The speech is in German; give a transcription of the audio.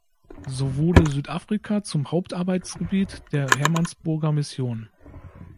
So wurde Südafrika zum Hauptarbeitsgebiet der Hermannsburger Mission.